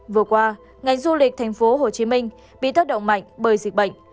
vừa qua ngành du lịch tp hcm bị tác động mạnh bởi dịch bệnh